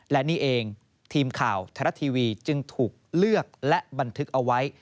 และนี่เองทีมข่าวไทยรัฐทีวีจึงถูกเลือกและบันทึกเอาไว้